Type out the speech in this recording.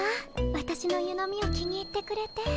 わたしの湯飲みを気に入ってくれて。